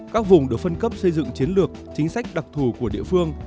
các vùng được phân cấp xây dựng chiến lược chính sách đặc thù của địa phương